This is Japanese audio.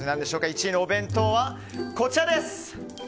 １位のお弁当はこちら。